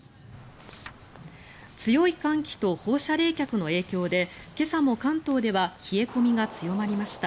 強い寒気と放射冷却の影響で今朝も関東では冷え込みが強まりました。